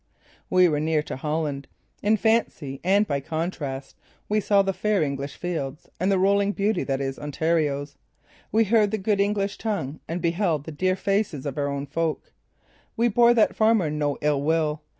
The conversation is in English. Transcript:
We were near to Holland. In fancy and by contrast we saw the fair English fields and the rolling beauty that is Ontario's; we heard the good English tongue and beheld the dear faces of our own folk. We bore that farmer no ill will.